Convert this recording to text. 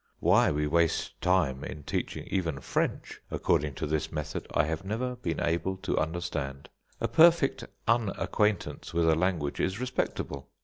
Why we waste time in teaching even French according to this method I have never been able to understand. A perfect unacquaintance with a language is respectable.